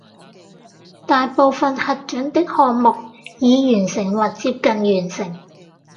大部分核准的項目已完成或接近完成